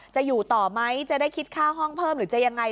จะอยู่ต่อไหมจะได้คิดค่าห้องเพิ่มหรือจะยังไง